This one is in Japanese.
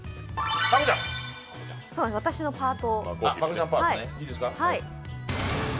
私のパート。